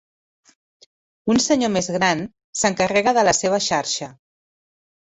Un senyor més gran s'encarrega de la seva xarxa